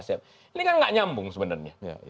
ini kan nggak nyambung sebenarnya